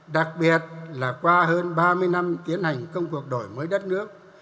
đặc biệt là qua hơn ba mươi năm tiến hành công cuộc đổi mới đất nước